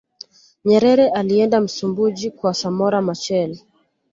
nyerere alienda msumbuji kwa samora machel